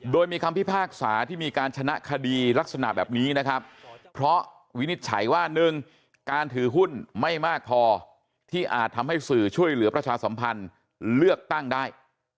โดยมีคำพิพากษาที่มีการชนะคดีลักษณะแบบนี้นะครับเพราะวินิจฉัยว่า๑การถือหุ้นไม่มากพอที่อาจทำให้สื่อช่วยเหลือประชาสัมพันธ์เลือกตั้งได้